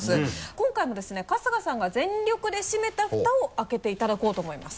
今回もですね春日さんが全力で閉めたフタを開けていただこうと思います。